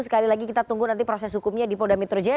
sekali lagi kita tunggu nanti proses hukumnya di polda metro jaya